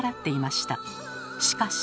しかし。